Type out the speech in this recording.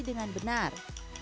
dan menangkan dengan benar